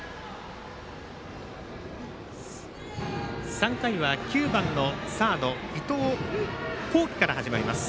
３回は９番のサード伊藤光輝から始まります。